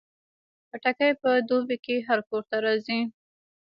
خټکی په دوبۍ کې هر کور ته راځي.